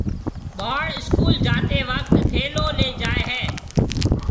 ٻاݪ اسڪول جاتيَ وقت ٿيلو ليَ جائي هيَ۔